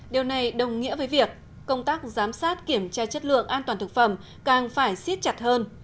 điều này đồng nghĩa với việc công tác giám sát kiểm tra chất lượng an toàn thực phẩm càng phải xiết chặt hơn